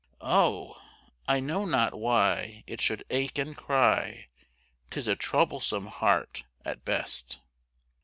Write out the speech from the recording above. Oh! I know not why it should ache and cry 'Tis a troublesome heart at best.